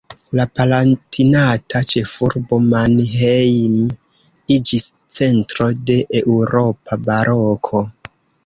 La palatinata ĉefurbo Mannheim iĝis centro de eŭropa baroko.